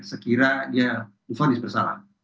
sekiranya dia diponis bersalah